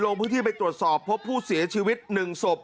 ลงพื้นที่ไปตรวจสอบพบผู้เสียชีวิต๑ศพ